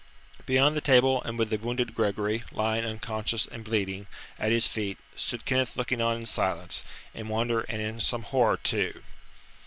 Beyond the table, and with the wounded Gregory lying unconscious and bleeding at his feet, stood Kenneth looking on in silence, in wonder and in some horror too.